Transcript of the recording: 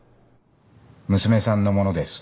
娘さんのものです。